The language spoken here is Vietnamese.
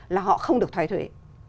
là họ không được thoái thuế